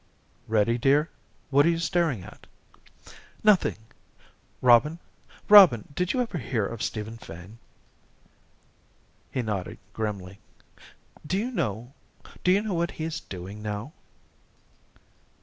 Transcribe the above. "Ready, dear? What are you staring at?" "Nothing! Robin Robin, did you ever hear of Stephen Fane?" He nodded grimly. "Do you know do you know what he is doing now?"